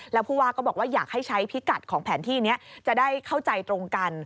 แล้วผู้ว่าก็บอกว่าอยากให้ใช้พิกัดของแผนที่นี้จะได้เข้าใจตรงกัน